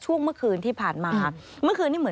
สวัสดีค่ะสวัสดีค่ะ